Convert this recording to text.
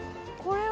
これ。